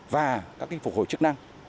và các phục hồi chức năng